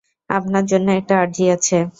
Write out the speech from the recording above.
আপনার জন্য একটা আর্জি আছে।